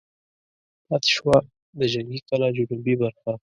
پاتې شوه د جنګي کلا جنوبي برخه.